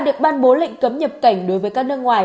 được ban bố lệnh cấm nhập cảnh đối với các nước ngoài